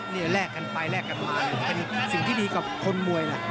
นี่แลกกันไปแลกกันมาเป็นสิ่งที่ดีกับคนมวยแหละ